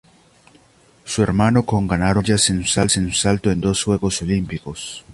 Su hermano Con ganaron medallas en salto en dos Juegos Olímpicos.